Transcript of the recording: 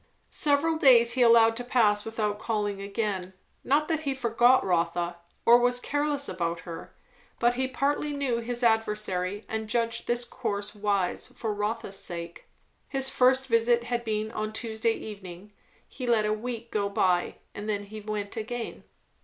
Several days he allowed to pass without calling again. Not that he forgot Rotha, or was careless about her; but he partly knew his adversary and judged this course wise, for Rotha's sake. His first visit had been on Tuesday evening; he let a week go by, and then he went again.